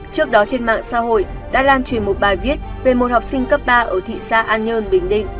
trước đó trên mạng xã hội đã lan truyền một bài viết về một học sinh cấp ba ở thị xã an nhơn bình định